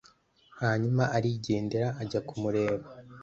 Hanyuma arigendera ajya kumureba